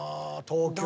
東京？